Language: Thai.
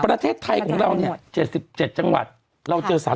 ประเทศไทยของเราเนี่ย๗๗จังหวัดเราเจอ๓๐